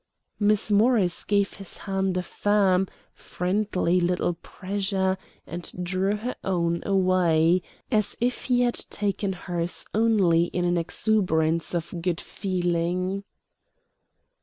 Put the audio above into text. Miss Morris gave his hand a firm, friendly little pressure and drew her own away, as if he had taken hers only in an exuberance of good feeling.